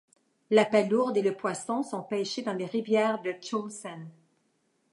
La palourde et le poisson sont pêchés dans les rivières de Ch'ŏlsan.